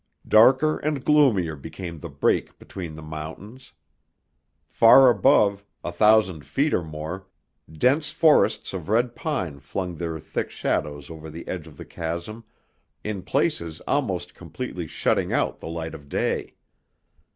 Darker and gloomier became the break between the mountains. Far above, a thousand feet or more, dense forests of red pine flung their thick shadows over the edge of the chasm, in places almost completely shutting out the light of day.